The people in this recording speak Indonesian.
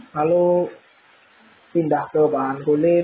lalu pindah ke bahan kulit